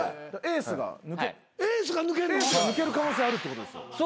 エースが抜ける可能性あるってことですよ。